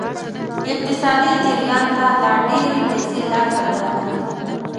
اقتصادي جریان ته لا ډیرې پیسې لار پیدا کوي.